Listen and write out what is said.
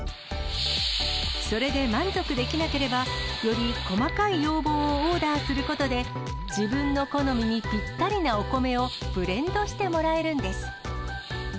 それで満足できなければ、より細かい要望をオーダーすることで、自分の好みにぴったりなお米を、ブレンドしてもらえるんです。